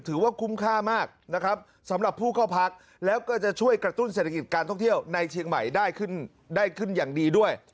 ถือว่าคุ้มค่ามากนะครับสำหรับผู้เข้าพักแล้วก็จะช่วยกระตุ้นเศรษฐกิจการท่องเที่ยวในเชียงใหม่ได้ขึ้นอย่างดีด้วย